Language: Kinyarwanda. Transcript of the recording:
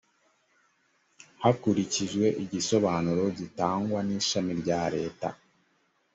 hakurikijwe igisobanuro gitangwa n ishami rya leta